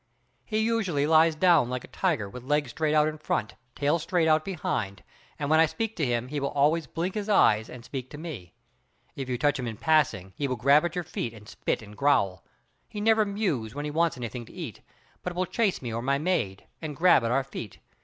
He usually lies down like a tiger with legs straight out in front, tail straight out behind, and when I speak to him he will always blink his eyes and speak to me. If you touch him in passing he will grab at your feet and spit and growl. He never mews when he wants anything to eat, but will chase me or my maid, and grab at our feet.